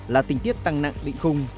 là tình tiết tăng nặng định khung